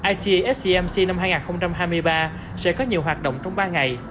itscmc năm hai nghìn hai mươi ba sẽ có nhiều hoạt động trong ba ngày